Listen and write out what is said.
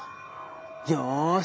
よし！